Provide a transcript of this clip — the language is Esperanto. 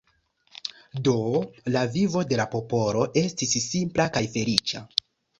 Do la vivo de la popolo estis simpla kaj feliĉa.